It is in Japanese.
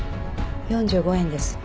４５円です。